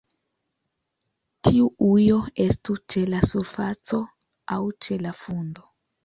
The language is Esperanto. Tiu ujo estu ĉe la surfaco aŭ ĉe la fundo.